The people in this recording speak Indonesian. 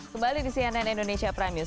kembali di cnn indonesia prime news